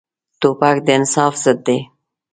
توپک د انصاف ضد دی.